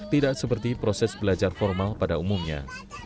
tidak seperti proses belajar formal pada umumnya